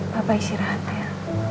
papa isi rahat ya